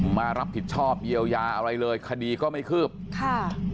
มารับผิดชอบเยียวยาอะไรเลยคดีก็ไม่คืบค่ะ